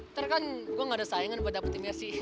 ntar kan gue gak ada sayangan pada petimiasi